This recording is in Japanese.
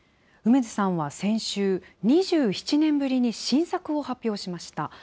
楳図さんは先週、２７年ぶりに新作を発表しました。